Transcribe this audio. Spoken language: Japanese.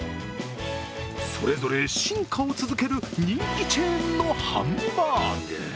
それぞれ進化を続ける人気チェーンのハンバーグ。